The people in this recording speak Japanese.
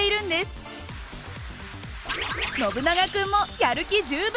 ノブナガ君もやる気十分。